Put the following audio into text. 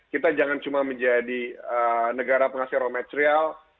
kita jangan cuma menjadi negara penghasil raw material